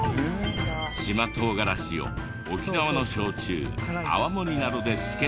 島唐辛子を沖縄の焼酎泡盛などで漬けたもの。